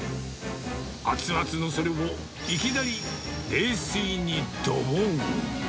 熱々のそれをいきなり冷水にどぼん。